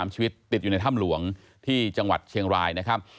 ชีวิตติดอยู่ในถ้ำหลวงที่จังหวัดเชียงรายนะครับ